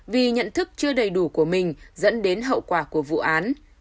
vì nhận thức chưa đầy đủ của mình dẫn đến hậu quả của vụ án